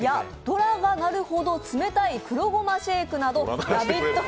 ドラが鳴るほど冷たい黒ごまシェイクなど「ラヴィット！」